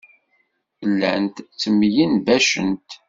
Llant ttemyenbacent.